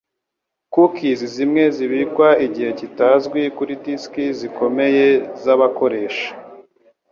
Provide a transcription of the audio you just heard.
Cookies zimwe zibikwa igihe kitazwi kuri disiki zikomeye zabakoresha.